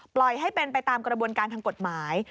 ปล่อยให้เป็นไปตามกระบวนการทางกฎหมาย